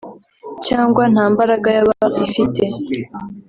cyangwa nta mbaraga yaba ifite